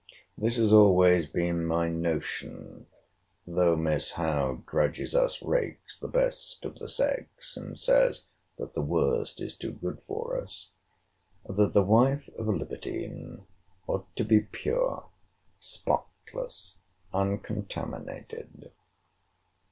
This has always been my notion, though Miss Howe grudges us rakes the best of the sex, and says, that the worst is too good for us,* that the wife of a libertine ought to be pure, spotless, uncontaminated.